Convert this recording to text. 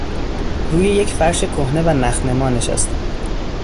روی یک فرش کهنه و نخنما نشستم.